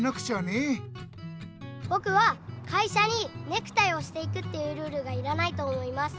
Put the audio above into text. ぼくは会社にネクタイをして行くというルールがいらないと思います。